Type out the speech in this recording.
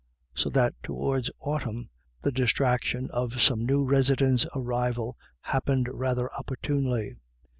So that towards autumn the distraction of some new residents' ar rival happened rather opportunely.